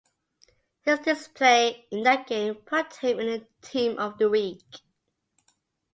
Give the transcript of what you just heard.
His display in that game put him in the Team of the Week.